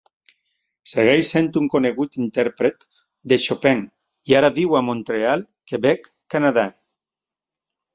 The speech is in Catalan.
Segueix sent un conegut intèrpret de Chopin i ara viu a Montreal, Quebec, Canadà.